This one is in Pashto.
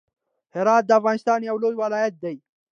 هرات د افغانستان يو لوی ولايت دی.